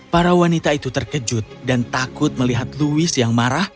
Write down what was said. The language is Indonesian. para wanita itu terkejut dan takut melihat louis yang marah